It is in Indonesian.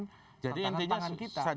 tantangan tangan kita